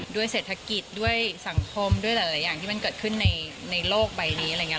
ด้วยเศรษฐกิจด้วยสังคมด้วยหลายอย่างที่มันเกิดขึ้นในโลกใบนี้อะไรอย่างนี้